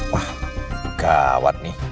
wah gawat nih